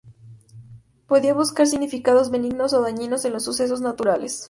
Podía buscar significados benignos o dañinos en los sucesos naturales.